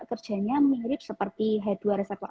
kerjanya mirip seperti h dua reseptor